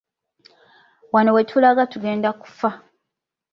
Wano wetulaga tugenda kufa.